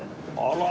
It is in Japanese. あら。